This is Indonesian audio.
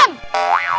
ini tuh sampahnya